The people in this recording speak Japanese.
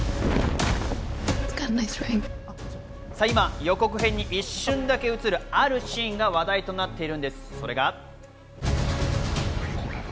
今、予告編に一瞬だけ映る、あるシーンが話題となっているんです、それが。